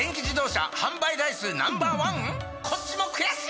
こっちも悔しい！